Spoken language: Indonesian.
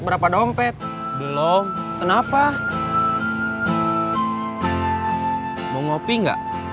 mau kopi gak